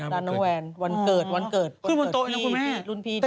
ด้านพี่แวนวันเกิดวันเกิดพี่ลุงพี่ต้องลง